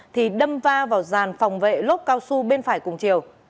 thì đâm va vào dàn phòng vệ lốt cao su bên phải cùng chiều